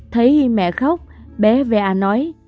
thấy mẹ khóc bé va nói